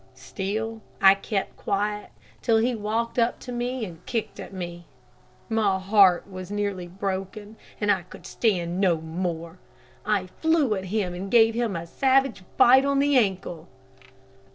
Still I kept quiet till he walked up to me and kicked at me. My heart was nearly broken, and I could stand no more. I flew at him and gave him a savage bite on the ankle.